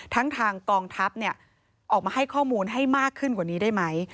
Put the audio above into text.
ทางกองทัพออกมาให้ข้อมูลให้มากขึ้นกว่านี้ได้ไหม